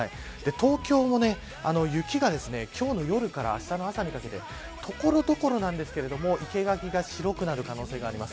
東京も雪が今日の夜からあしたの朝にかけて所々なんですけれども生け垣が白くなる可能性があります。